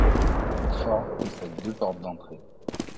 Le fort possède deux portes d'entrée.